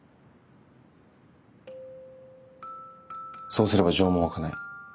そうすれば情も湧かない。